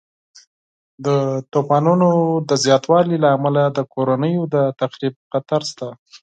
د طوفانونو د زیاتوالي له امله د کورنیو د تخریب خطر شته.